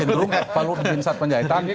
di jinsat penjahitan